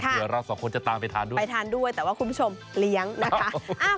เดี๋ยวเราสองคนจะตามไปทานด้วยไปทานด้วยแต่ว่าคุณผู้ชมเลี้ยงนะคะ